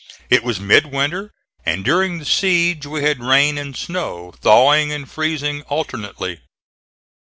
It was midwinter and during the siege we had rain and snow, thawing and freezing alternately.